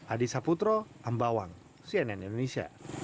adi saputro ambawang cnn indonesia